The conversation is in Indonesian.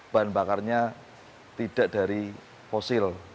bahan bakarnya tidak dari fosil